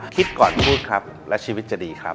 คิดก่อนพูดครับและชีวิตจะดีครับ